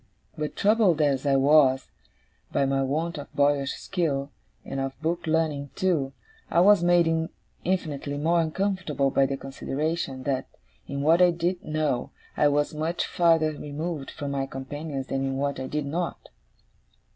But, troubled as I was, by my want of boyish skill, and of book learning too, I was made infinitely more uncomfortable by the consideration, that, in what I did know, I was much farther removed from my companions than in what I did not.